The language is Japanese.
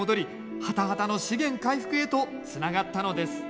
ハタハタの資源回復へとつながったのです